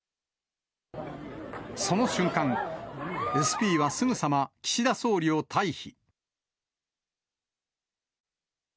その瞬間、ＳＰはすぐさま、岸田総理を退避。